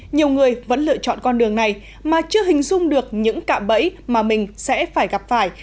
nhiều người vẫn lựa chọn con đường này mà chưa hình dung được những cạm bẫy mà mình sẽ phải gặp phải